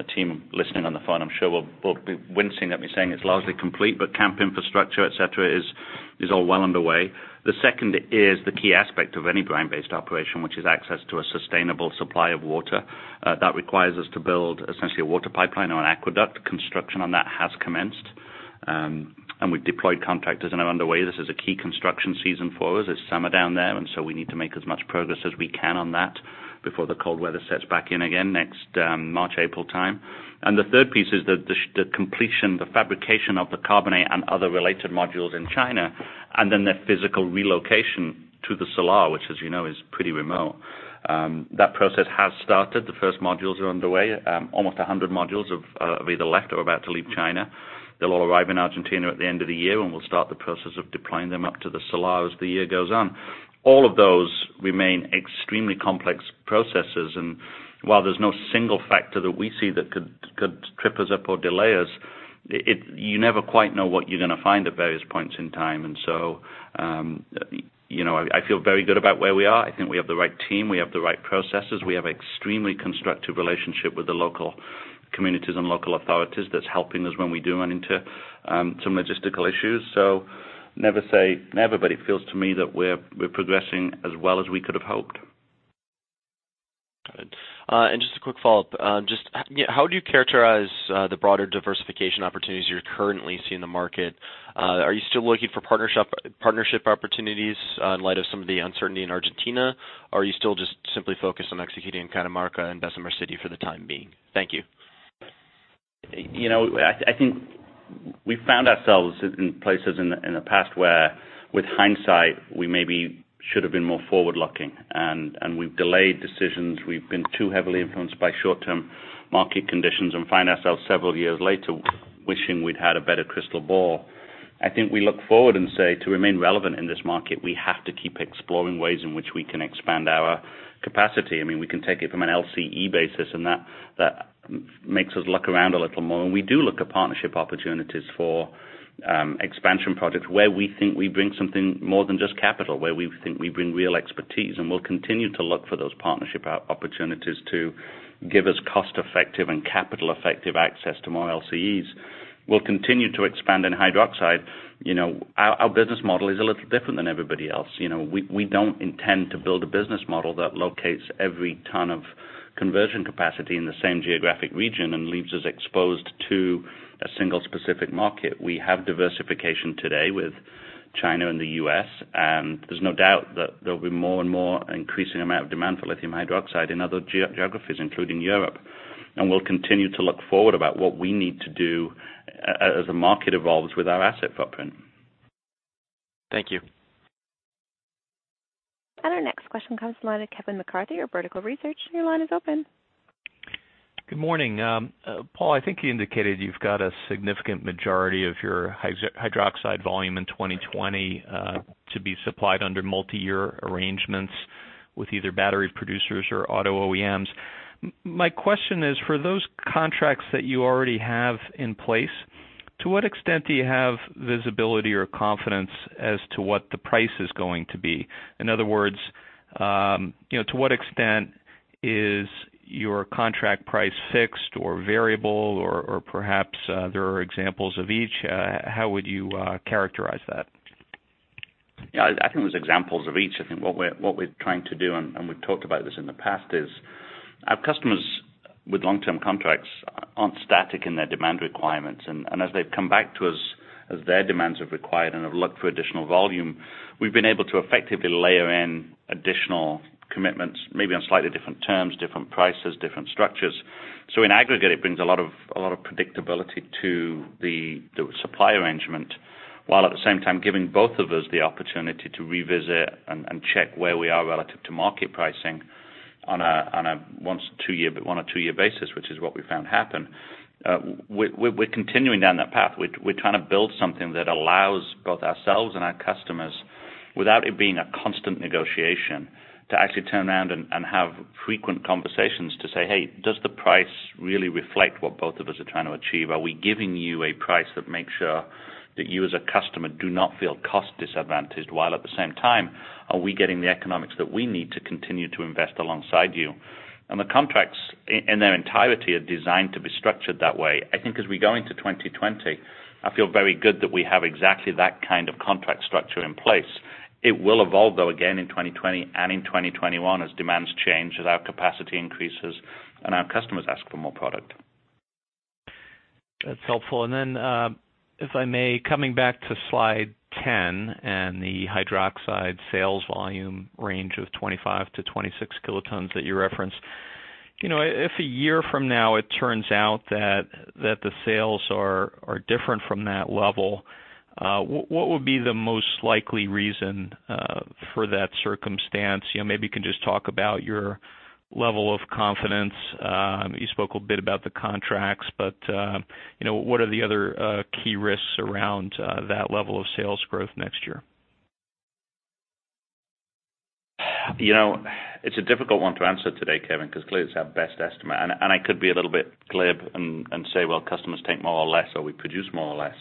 A team listening on the phone, I'm sure will be wincing at me saying it's largely complete, but camp infrastructure, et cetera, is all well underway. The second is the key aspect of any brine-based operation, which is access to a sustainable supply of water. That requires us to build essentially a water pipeline or an aqueduct. Construction on that has commenced, and we've deployed contractors and are underway. This is a key construction season for us. It's summer down there, and so we need to make as much progress as we can on that before the cold weather sets back in again next March, April time. The third piece is the completion, the fabrication of the carbonate and other related modules in China, and then the physical relocation to the Salar, which as you know, is pretty remote. That process has started. The first modules are underway. Almost 100 modules have either left or are about to leave China. They'll all arrive in Argentina at the end of the year, and we'll start the process of deploying them up to the Salar as the year goes on. All of those remain extremely complex processes, and while there's no single factor that we see that could trip us up or delay us, you never quite know what you're going to find at various points in time. I feel very good about where we are. I think we have the right team. We have the right processes. We have extremely constructive relationship with the local communities and local authorities that's helping us when we do run into some logistical issues. Never say never, but it feels to me that we're progressing as well as we could have hoped. Got it. Just a quick follow-up. Just how do you characterize the broader diversification opportunities you're currently seeing in the market? Are you still looking for partnership opportunities in light of some of the uncertainty in Argentina, or are you still just simply focused on executing in Catamarca and Bessemer City for the time being? Thank you. I think we've found ourselves in places in the past where with hindsight, we maybe should have been more forward-looking, and we've delayed decisions. We've been too heavily influenced by short-term market conditions and find ourselves several years later wishing we'd had a better crystal ball. I think we look forward and say, to remain relevant in this market, we have to keep exploring ways in which we can expand our capacity. I mean, we can take it from an LCE basis. That makes us look around a little more. We do look at partnership opportunities for expansion projects where we think we bring something more than just capital, where we think we bring real expertise, and we'll continue to look for those partnership opportunities to give us cost-effective and capital-effective access to more LCEs. We'll continue to expand in hydroxide. Our business model is a little different than everybody else. We don't intend to build a business model that locates every ton of conversion capacity in the same geographic region and leaves us exposed to a single specific market. We have diversification today with China and the U.S., and there's no doubt that there'll be more and more increasing amount of demand for lithium hydroxide in other geographies, including Europe. We'll continue to look forward about what we need to do as the market evolves with our asset footprint. Thank you. Our next question comes from the line of Kevin McCarthy of Vertical Research. Your line is open. Good morning. Paul, I think you indicated you've got a significant majority of your hydroxide volume in 2020 to be supplied under multi-year arrangements with either battery producers or auto OEMs. My question is, for those contracts that you already have in place, to what extent do you have visibility or confidence as to what the price is going to be? In other words, to what extent is your contract price fixed or variable or perhaps there are examples of each? How would you characterize that? Yeah, I think there's examples of each. I think what we're trying to do, and we've talked about this in the past, is our customers with long-term contracts aren't static in their demand requirements. As they've come back to us, as their demands have required and have looked for additional volume, we've been able to effectively layer in additional commitments, maybe on slightly different terms, different prices, different structures. In aggregate, it brings a lot of predictability to the supply arrangement, while at the same time giving both of us the opportunity to revisit and check where we are relative to market pricing on a one or two-year basis, which is what we found happen. We're continuing down that path. We're trying to build something that allows both ourselves and our customers, without it being a constant negotiation, to actually turn around and have frequent conversations to say, "Hey, does the price really reflect what both of us are trying to achieve? Are we giving you a price that makes sure that you as a customer do not feel cost disadvantaged?" While at the same time, are we getting the economics that we need to continue to invest alongside you? The contracts, in their entirety, are designed to be structured that way. I think as we go into 2020, I feel very good that we have exactly that kind of contract structure in place. It will evolve, though, again, in 2020 and in 2021 as demands change, as our capacity increases and our customers ask for more product. That's helpful. Then, if I may, coming back to slide 10 and the hydroxide sales volume range of 25-26 kilotons that you referenced. If a year from now it turns out that the sales are different from that level, what would be the most likely reason for that circumstance? Maybe you can just talk about your level of confidence. What are the other key risks around that level of sales growth next year? It's a difficult one to answer today, Kevin, because clearly it's our best estimate, and I could be a little bit glib and say, well, customers take more or less, or we produce more or less.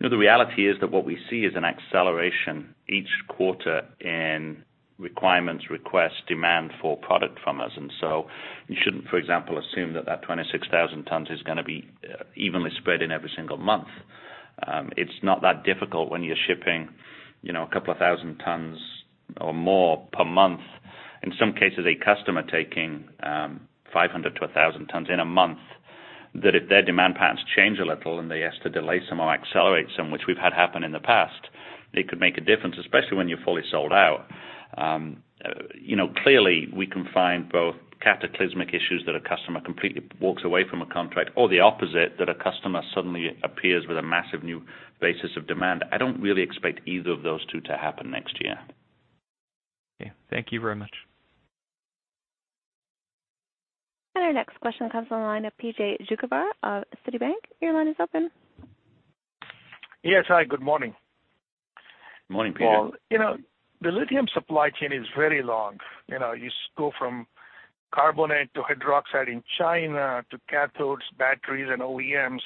The reality is that what we see is an acceleration each quarter in requirements, requests, demand for product from us. So you shouldn't, for example, assume that that 26,000 tons is going to be evenly spread in every single month. It's not that difficult when you're shipping a couple of thousand tons or more per month. In some cases, a customer taking 500 to 1,000 tons in a month, that if their demand patterns change a little and they ask to delay some or accelerate some, which we've had happen in the past, it could make a difference, especially when you're fully sold out. Clearly we can find both cataclysmic issues that a customer completely walks away from a contract or the opposite, that a customer suddenly appears with a massive new basis of demand. I don't really expect either of those two to happen next year. Okay. Thank you very much. Our next question comes on the line of PJ Juvekar of Citigroup. Your line is open. Yes. Hi, good morning. Morning, PJ. Paul, the lithium supply chain is very long. You go from carbonate to hydroxide in China to cathodes, batteries, and OEMs.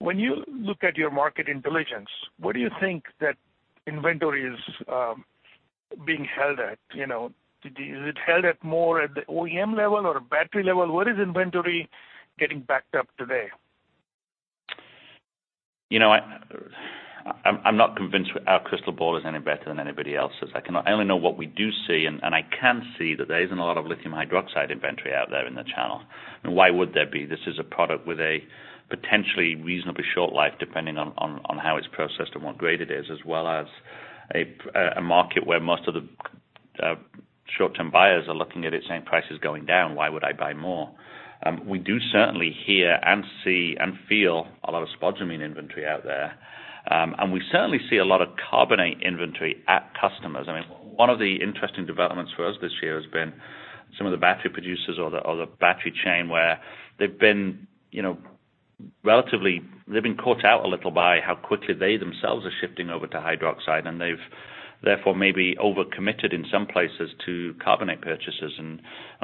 When you look at your market intelligence, where do you think that inventory is being held at? Is it held at more at the OEM level or battery level? Where is inventory getting backed up today? I'm not convinced our crystal ball is any better than anybody else's. I only know what we do see, and I can see that there isn't a lot of lithium hydroxide inventory out there in the channel. Why would there be? This is a product with a potentially reasonably short life, depending on how it's processed and what grade it is, as well as a market where most of the short-term buyers are looking at it saying, "Price is going down. Why would I buy more?" We do certainly hear and see and feel a lot of spodumene inventory out there. We certainly see a lot of carbonate inventory at customers. One of the interesting developments for us this year has been some of the battery producers or the battery chain where they've been relatively caught out a little by how quickly they themselves are shifting over to hydroxide, and they've therefore maybe over-committed in some places to carbonate purchases.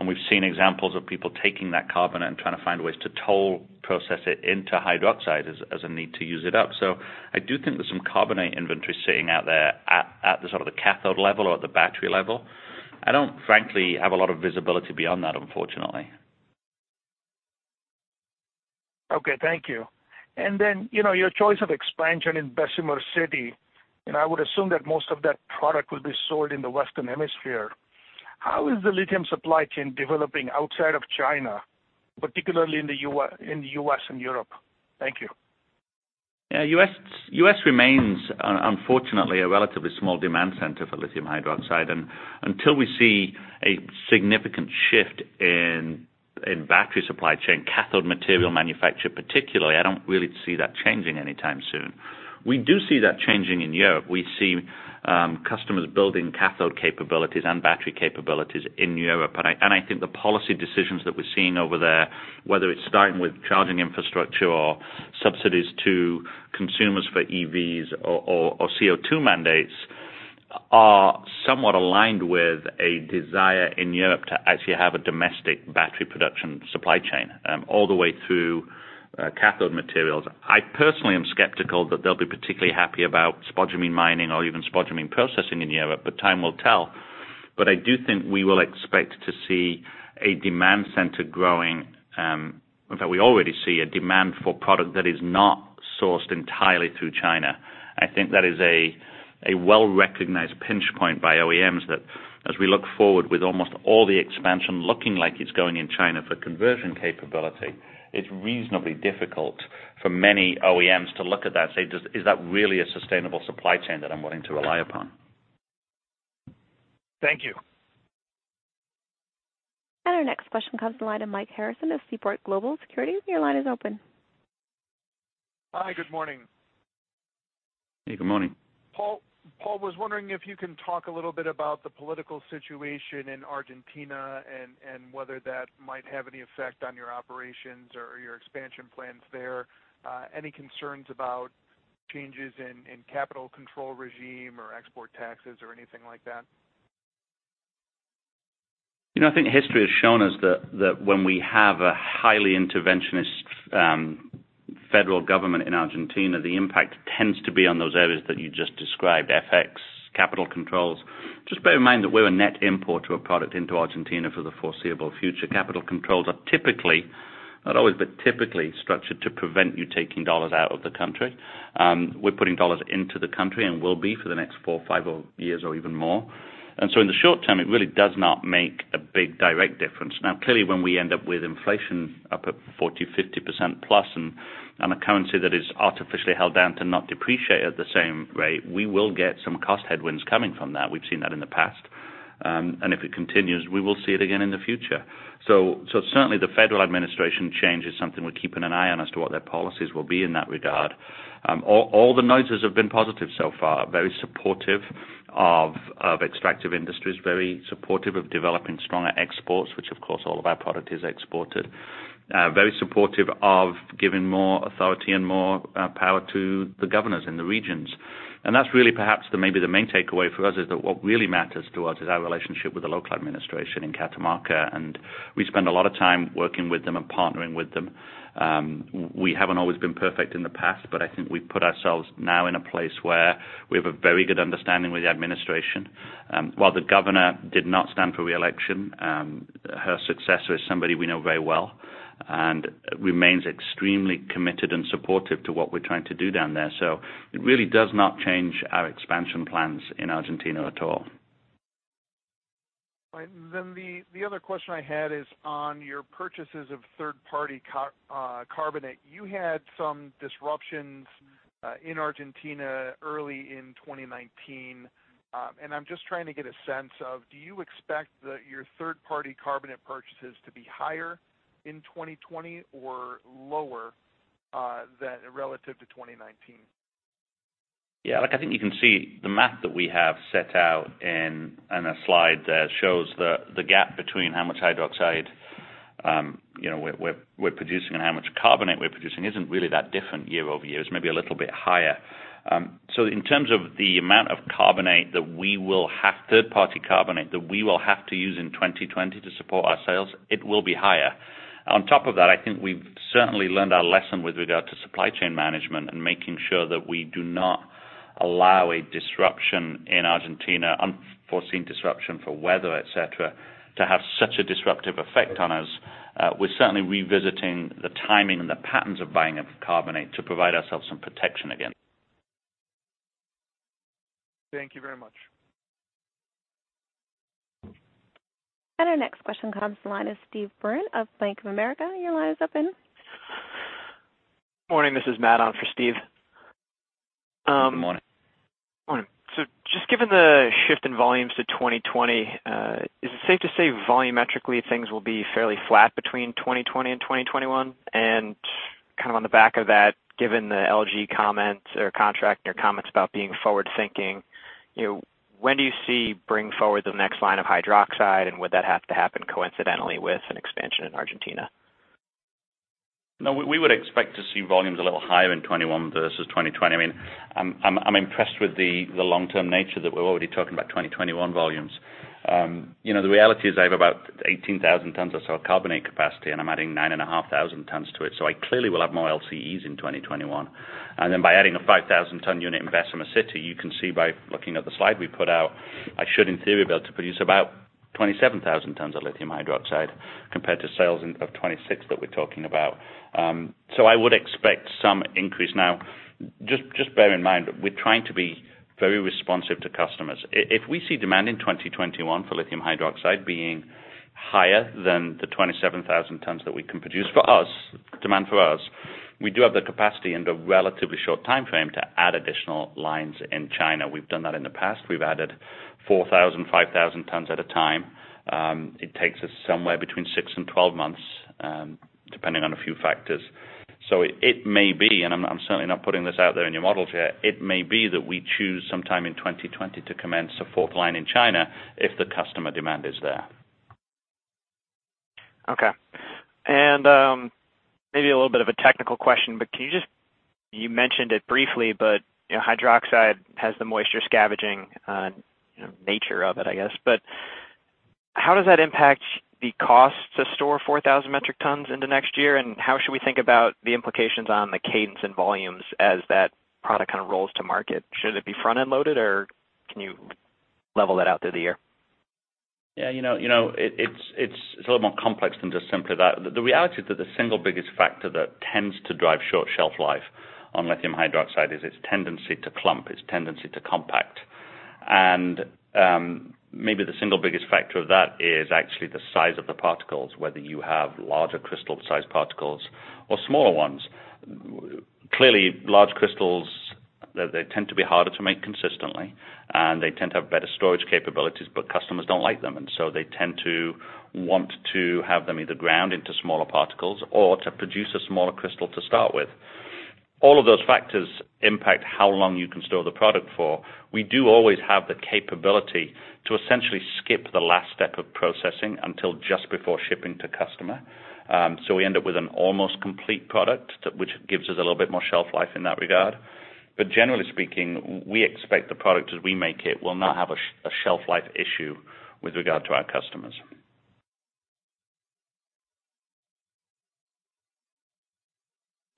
We've seen examples of people taking that carbonate and trying to find ways to toll process it into hydroxide as a need to use it up. I do think there's some carbonate inventory sitting out there at the cathode level or at the battery level. I don't frankly have a lot of visibility beyond that, unfortunately. Okay, thank you. Your choice of expansion in Bessemer City, and I would assume that most of that product will be sold in the Western Hemisphere. How is the lithium supply chain developing outside of China, particularly in the U.S. and Europe? Thank you. Yeah. U.S. remains, unfortunately, a relatively small demand center for lithium hydroxide. Until we see a significant shift in battery supply chain, cathode material manufacture particularly, I don't really see that changing anytime soon. We do see that changing in Europe. We see customers building cathode capabilities and battery capabilities in Europe. I think the policy decisions that we're seeing over there, whether it's starting with charging infrastructure or subsidies to consumers for EVs or CO2 mandates, are somewhat aligned with a desire in Europe to actually have a domestic battery production supply chain all the way through cathode materials. I personally am skeptical that they'll be particularly happy about spodumene mining or even spodumene processing in Europe. Time will tell. I do think we will expect to see a demand center growing. In fact, we already see a demand for product that is not sourced entirely through China. I think that is a well-recognized pinch point by OEMs that as we look forward with almost all the expansion looking like it's going in China for conversion capability, it's reasonably difficult for many OEMs to look at that and say, "Is that really a sustainable supply chain that I'm willing to rely upon? Thank you. Our next question comes to the line of Mike Harrison of Seaport Global Securities. Your line is open. Hi, good morning. Hey, good morning. Paul, was wondering if you can talk a little bit about the political situation in Argentina and whether that might have any effect on your operations or your expansion plans there. Any concerns about changes in capital control regime or export taxes or anything like that? I think history has shown us that when we have a highly interventionist federal government in Argentina, the impact tends to be on those areas that you just described, FX, capital controls. Just bear in mind that we're a net importer of product into Argentina for the foreseeable future. Capital controls are typically, not always, but typically structured to prevent you taking $ out of the country. We're putting $ into the country and will be for the next 4 or 5 years or even more. In the short term, it really does not make a big direct difference. Now, clearly, when we end up with inflation up at 40%, 50% plus, and a currency that is artificially held down to not depreciate at the same rate, we will get some cost headwinds coming from that. We've seen that in the past, and if it continues, we will see it again in the future. Certainly the federal administration change is something we're keeping an eye on as to what their policies will be in that regard. All the noises have been positive so far, very supportive of extractive industries, very supportive of developing stronger exports, which of course all of our product is exported. Very supportive of giving more authority and more power to the governors in the regions. That's really perhaps maybe the main takeaway for us is that what really matters to us is our relationship with the local administration in Catamarca, and we spend a lot of time working with them and partnering with them. We haven't always been perfect in the past, but I think we've put ourselves now in a place where we have a very good understanding with the administration. While the governor did not stand for re-election, her successor is somebody we know very well and remains extremely committed and supportive to what we're trying to do down there. It really does not change our expansion plans in Argentina at all. Right. The other question I had is on your purchases of third-party carbonate. You had some disruptions in Argentina early in 2019. I'm just trying to get a sense of, do you expect that your third-party carbonate purchases to be higher in 2020 or lower relative to 2019? Look, I think you can see the math that we have set out in a slide there shows the gap between how much hydroxide we're producing and how much carbonate we're producing isn't really that different year-over-year. It's maybe a little bit higher. In terms of the amount of third-party carbonate that we will have to use in 2020 to support our sales, it will be higher. On top of that, I think we've certainly learned our lesson with regard to supply chain management and making sure that we do not allow a disruption in Argentina, unforeseen disruption for weather, et cetera, to have such a disruptive effect on us. We're certainly revisiting the timing and the patterns of buying of carbonate to provide ourselves some protection against. Thank you very much. Our next question comes. The line is Steve Byrne of Bank of America. Your line is open. Morning, this is Matt on for Steve. Good morning. Morning. Just given the shift in volumes to 2020, is it safe to say volumetrically things will be fairly flat between 2020 and 2021? Kind of on the back of that, given the LG comments or contract, your comments about being forward-thinking, when do you see bringing forward the next line of hydroxide, and would that have to happen coincidentally with an expansion in Argentina? No, we would expect to see volumes a little higher in 2021 versus 2020. I'm impressed with the long-term nature that we're already talking about 2021 volumes. The reality is I have about 18,000 tons of sort of lithium carbonate capacity, and I'm adding 9,500 tons to it. I clearly will have more LCEs in 2021. By adding a 5,000-ton unit in Bessemer City, you can see by looking at the slide we put out, I should in theory be able to produce about 27,000 tons of lithium hydroxide compared to sales of 26 that we're talking about. I would expect some increase. Now, just bear in mind, we're trying to be very responsive to customers. If we see demand in 2021 for lithium hydroxide being higher than the 27,000 tons that we can produce for us, demand for us, we do have the capacity in a relatively short timeframe to add additional lines in China. We've done that in the past. We've added 4,000, 5,000 tons at a time. It takes us somewhere between six and 12 months, depending on a few factors. So it may be, and I'm certainly not putting this out there in your models yet, it may be that we choose sometime in 2020 to commence a fourth line in China if the customer demand is there. Okay. Maybe a little bit of a technical question. You mentioned it briefly, but hydroxide has the moisture scavenging nature of it, I guess. How does that impact the cost to store 4,000 metric tons into next year? How should we think about the implications on the cadence and volumes as that product kind of rolls to market? Should it be front-end loaded, or can you level that out through the year? Yeah, it's a little more complex than just simply that. The reality is that the single biggest factor that tends to drive short shelf life on lithium hydroxide is its tendency to clump, its tendency to compact. Maybe the single biggest factor of that is actually the size of the particles, whether you have larger crystal size particles or smaller ones. Clearly, large crystals, they tend to be harder to make consistently, and they tend to have better storage capabilities, but customers don't like them, and so they tend to want to have them either ground into smaller particles or to produce a smaller crystal to start with. All of those factors impact how long you can store the product for. We do always have the capability to essentially skip the last step of processing until just before shipping to customer. We end up with an almost complete product, which gives us a little bit more shelf life in that regard. Generally speaking, we expect the product as we make it will not have a shelf life issue with regard to our customers.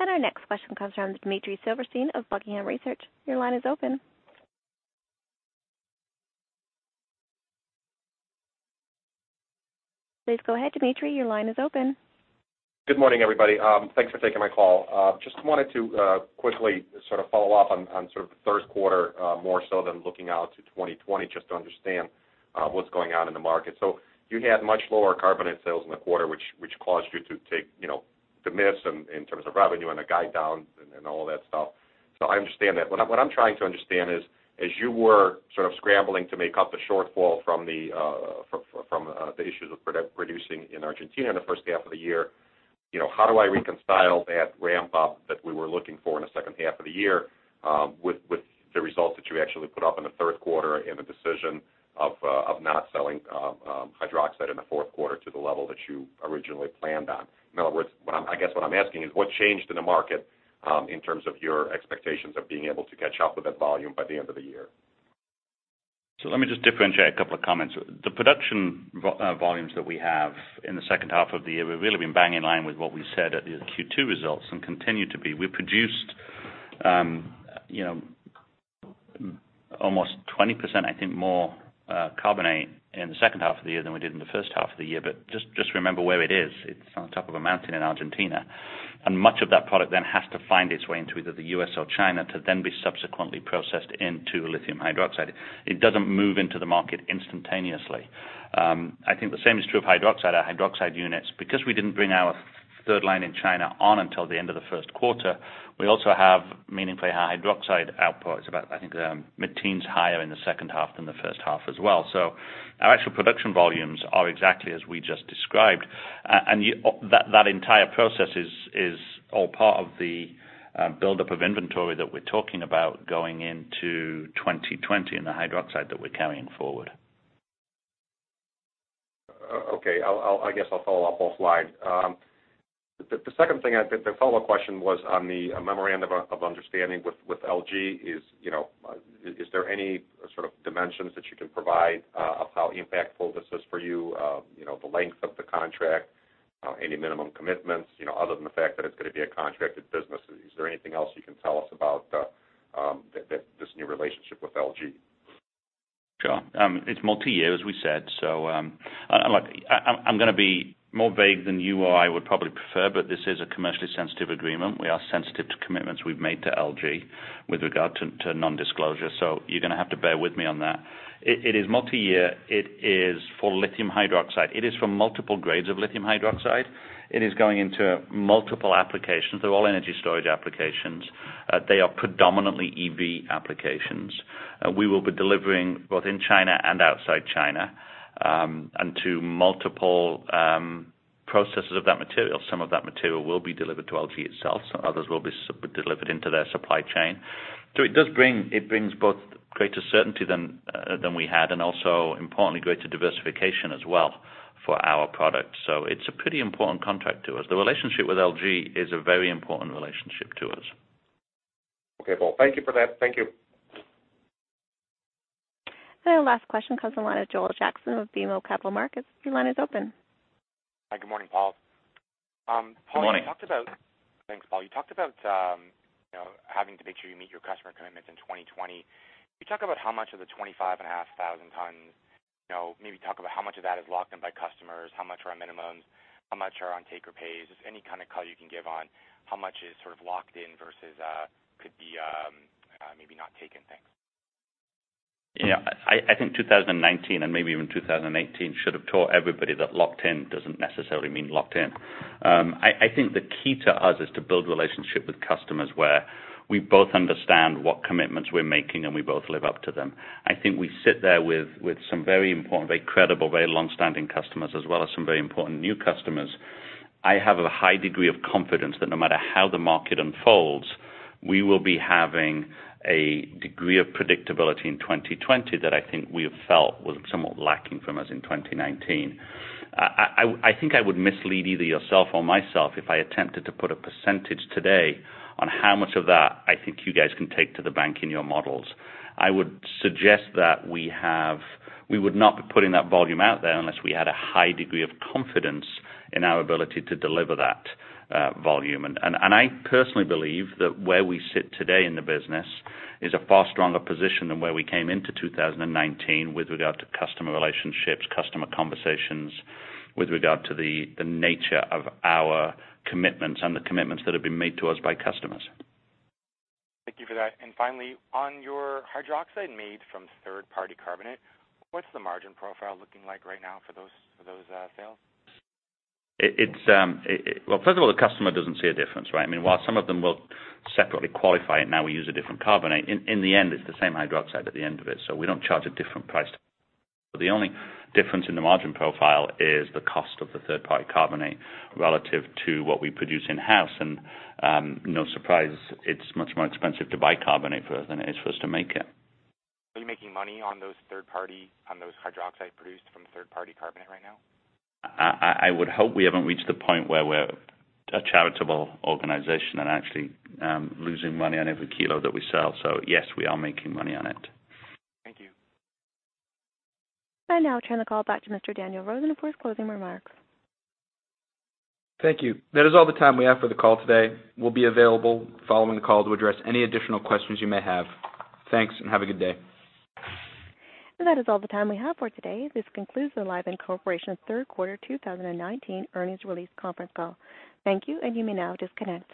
Our next question comes from Dmitry Silversteyn of Buckingham Research. Your line is open. Please go ahead, Dmitry. Your line is open. Good morning, everybody. Thanks for taking my call. Just wanted to quickly sort of follow up on sort of the third quarter, more so than looking out to 2020, just to understand what's going on in the market. You had much lower carbonate sales in the quarter, which caused you to take the miss in terms of revenue and the guide down and all that stuff. I understand that. What I'm trying to understand is, as you were sort of scrambling to make up the shortfall from the issues of producing in Argentina in the first half of the year, how do I reconcile that ramp up that we were looking for in the second half of the year with the results that you actually put up in the third quarter and the decision of not selling hydroxide in the fourth quarter to the level that you originally planned on? In other words, I guess what I'm asking is what changed in the market in terms of your expectations of being able to catch up with that volume by the end of the year? Let me just differentiate a couple of comments. The production volumes that we have in the second half of the year, we've really been bang in line with what we said at the Q2 results and continue to be. We produced almost 20%, I think, more carbonate in the second half of the year than we did in the first half of the year. Just remember where it is. It's on top of a mountain in Argentina, and much of that product then has to find its way into either the U.S. or China to then be subsequently processed into lithium hydroxide. It doesn't move into the market instantaneously. I think the same is true of hydroxide. Our hydroxide units, because we didn't bring our third line in China on until the end of the first quarter, we also have meaningfully higher hydroxide output. It's about, I think, mid-teens higher in the second half than the first half as well. Our actual production volumes are exactly as we just described, and that entire process is all part of the buildup of inventory that we're talking about going into 2020 and the hydroxide that we're carrying forward. Okay. I guess I'll follow up offline. The second thing, the follow-up question was on the memorandum of understanding with LG. Is there any sort of dimensions that you can provide of how impactful this is for you, the length of the contract, any minimum commitments, other than the fact that it's going to be a contracted business? Is there anything else you can tell us about this new relationship with LG? Sure. It's multi-year, as we said. I'm going to be more vague than you or I would probably prefer, but this is a commercially sensitive agreement. We are sensitive to commitments we've made to LG with regard to nondisclosure, so you're going to have to bear with me on that. It is multi-year. It is for lithium hydroxide. It is for multiple grades of lithium hydroxide. It is going into multiple applications. They're all energy storage applications. They are predominantly EV applications. We will be delivering both in China and outside China and to multiple processes of that material. Some of that material will be delivered to LG itself. Others will be delivered into their supply chain. It does bring both greater certainty than we had and also, importantly, greater diversification as well for our product. It's a pretty important contract to us. The relationship with LG is a very important relationship to us. Okay, Paul. Thank you for that. Thank you. Our last question comes in line of Joel Jackson of BMO Capital Markets. Your line is open. Hi. Good morning, Paul. Good morning. Thanks, Paul. You talked about having to make sure you meet your customer commitments in 2020. Can you talk about how much of the 25,500 tons, maybe talk about how much of that is locked in by customers, how much are on minimums, how much are on take or pays? Just any kind of color you can give on how much is sort of locked in versus could be maybe not taken. Thanks. Yeah, I think 2019 and maybe even 2018 should have taught everybody that locked in doesn't necessarily mean locked in. I think the key to us is to build relationship with customers where we both understand what commitments we're making and we both live up to them. I think we sit there with some very important, very credible, very long-standing customers, as well as some very important new customers. I have a high degree of confidence that no matter how the market unfolds, we will be having a degree of predictability in 2020 that I think we have felt was somewhat lacking from us in 2019. I think I would mislead either yourself or myself if I attempted to put a percentage today on how much of that I think you guys can take to the bank in your models. I would suggest that we would not be putting that volume out there unless we had a high degree of confidence in our ability to deliver that volume. I personally believe that where we sit today in the business is a far stronger position than where we came into 2019 with regard to customer relationships, customer conversations, with regard to the nature of our commitments and the commitments that have been made to us by customers. Thank you for that. Finally, on your hydroxide made from third-party carbonate, what's the margin profile looking like right now for those sales? Well, first of all, the customer doesn't see a difference, right? I mean, while some of them will separately qualify it, now we use a different carbonate. In the end, it's the same hydroxide at the end of it, so we don't charge a different price. The only difference in the margin profile is the cost of the third-party carbonate relative to what we produce in-house. No surprise, it's much more expensive to buy carbonate than it is for us to make it. Are you making money on those hydroxide produced from third-party carbonate right now? I would hope we haven't reached the point where we're a charitable organization and actually losing money on every kilo that we sell. Yes, we are making money on it. Thank you. I now turn the call back to Mr. Daniel Rosen for closing remarks. Thank you. That is all the time we have for the call today. We'll be available following the call to address any additional questions you may have. Thanks and have a good day. That is all the time we have for today. This concludes the Livent Corporation third quarter 2019 earnings release conference call. Thank you, and you may now disconnect.